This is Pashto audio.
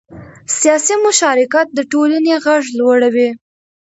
سیاسي مشارکت د ټولنې غږ لوړوي